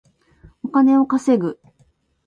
お金を稼ぐ